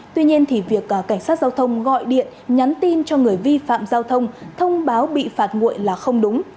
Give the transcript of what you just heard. tuy nhiên thì việc cảnh sát giao thông gọi điện nhắn tin cho người vi phạm giao thông thông báo bị phạt nguội là không đúng